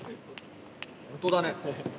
本当だね。